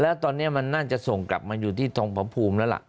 แล้วตอนนี้มันน่าจะส่งกลับมาอยู่ที่ทองพระภูมิแล้วล่ะ